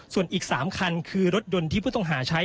ส่วนอีก๓คันคือรถยนต์ที่ผู้ต้องหาใช้